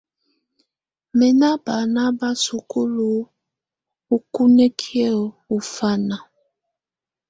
̣Mɛ̀ nà bana bà sukulu ukunǝkiǝ́ ù ɔfana.